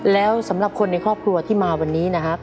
แล้วสำหรับคนในครอบครัวที่มาวันนี้นะครับ